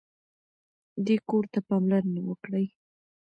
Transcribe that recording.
دې کور ته پاملرنه وکړئ.